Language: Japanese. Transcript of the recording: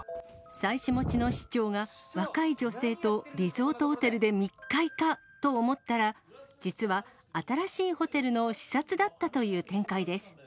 妻子持ちの市長が、若い女性とリゾートホテルで密会かと思ったら、実は新しいホテルの視察だったという展開です。